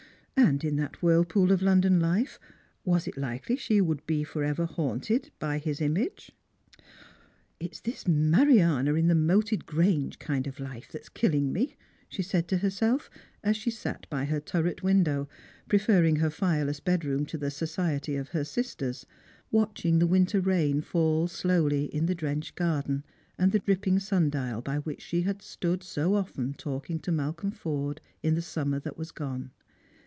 And in that whirlpool of London life was it likely she would be for ever haunted by his image ?" It is this Mariana in the moated grange kind of life that is killing me," she said to herself, as she sat by her turret window, preferring her fireless bedroom to the society of her sisters, watching the winter rain fall slowly in the drenched garden, and the dripping sun dial by which she had stood so often talking to Malcolm Furde in the summer that was gone.